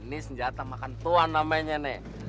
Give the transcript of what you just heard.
nih senyata makan tuhan namanya nih